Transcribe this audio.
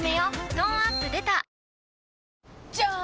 トーンアップ出たじゃーん！